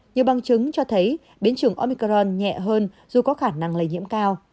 nhiều bằng chứng cho thấy biến chủng omicron nhẹ hơn dù có khả năng lây nhiễm cao